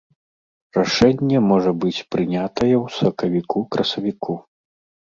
Рашэнне можа быць прынятае ў сакавіку-красавіку.